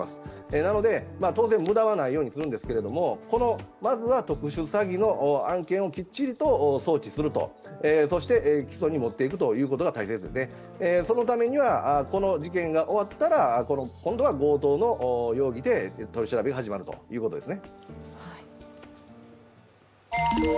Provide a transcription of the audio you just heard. なので、当然、無駄がないようにやるんですけどもまずは特殊詐欺の案件をきっちりと送致する、そして、起訴に持っていくということが大切で、そのためにはこの事件が終わったら今度は強盗の容疑で取り調べが始まるということですね。